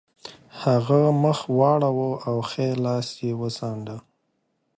هغه مخ واړاوه او ښی لاس یې وڅانډه